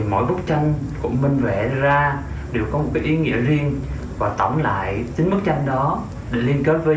mỗi bức tranh mà mình vẽ ra đều có một ý nghĩa riêng và tổng lại chính bức tranh đó liên kết với